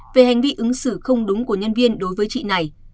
về hành vi ứng xử không đúng của nhân viên đối với chị này